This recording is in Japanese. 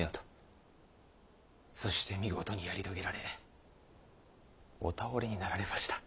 そして見事にやり遂げられお倒れになられました。